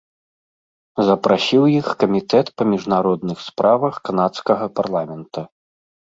Запрасіў іх камітэт па міжнародных справах канадскага парламента.